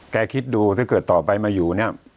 คิดดูถ้าเกิดต่อไปมาอยู่เนี่ย